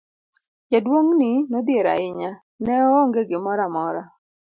Jaduong' ni nodhier ahinya, ne oonge gimoro amora.